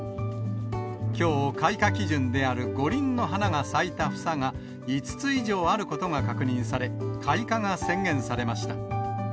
きょう、開花基準である５輪の花が咲いた房が５つ以上あることが確認され、開花が宣言されました。